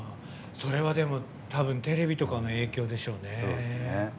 それはテレビとかの影響でしょうね。